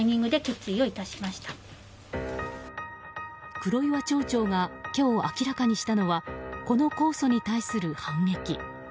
黒岩町長が今日明らかにしたのはこの控訴に対する反撃。